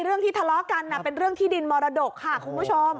เรื่องที่ทะเลาะกันเป็นเรื่องที่ดินมรดกค่ะคุณผู้ชม